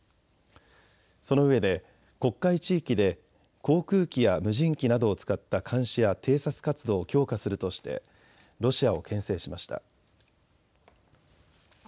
そのうえで黒海地域で航空機や無人機などを使った監視や偵察活動を強化するとしてロシアをけん制しました。